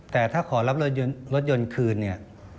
แต่ถ้าขอรับรถยนต์คืนเนี่ย